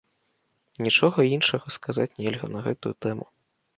Нічога іншага сказаць нельга на гэтую тэму.